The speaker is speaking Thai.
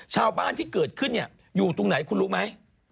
ชาวบ้านที่เกิดขึ้นอยู่ตรงไหนคุณรู้ไหม